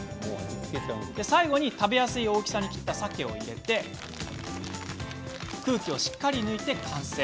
最後に食べやすい大きさに切ったさけを入れ空気をしっかり抜いて完成。